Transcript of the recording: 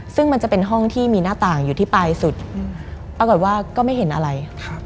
ซึ่งมันจะเป็นห้องที่มีหน้าต่างอยู่ที่ปลายสุดปรากฏว่าก็ไม่เห็นอะไร